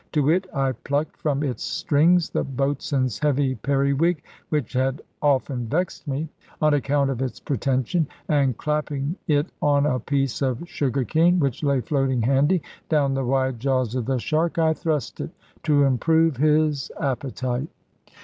To wit, I plucked from its strings the boatswain's heavy periwig (which had often vexed me, on account of its pretension), and clapping it on a piece of sugar cane, which lay floating handy, down the wide jaws of the shark I thrust it, to improve his appetite.